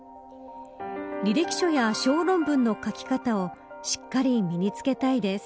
履歴書や小論文の書き方をしっかり身につけたいです。